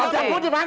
adabnya ada di sini